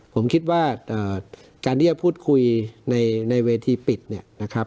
ผมคิดว่าการที่จะพูดคุยในเวทีปิดเนี่ยนะครับ